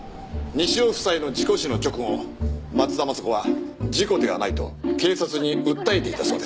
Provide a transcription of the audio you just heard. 西尾夫妻の事故死の直後松田雅子は事故ではないと警察に訴えていたそうです。